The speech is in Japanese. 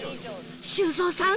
修造さん